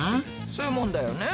そういうもんだよね。